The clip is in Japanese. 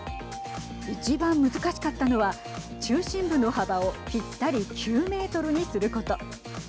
一番難しかったのは中心部の幅をぴったり９メートルにすること。